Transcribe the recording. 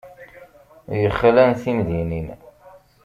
Yexlan timdinin.